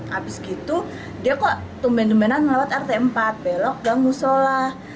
habis gitu dia kok tumben tumbenan lewat rt empat belok gang musolah